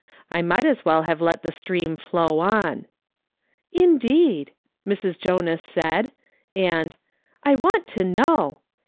I might as well have let the stream flow on. " Indeed I" ]\Irs. Jonas said, and " I want to know